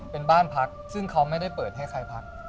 เป็นบ้านพักซึ่งเขาไม่ได้เปิดให้ใครพัก